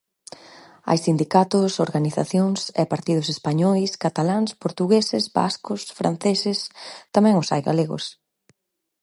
Hai sindicatos, organizacións e partidos españois, cataláns, portugueses, vascos, franceses..., tamén os hai galegos.